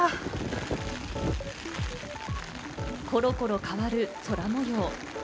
コロコロ変わる空模様。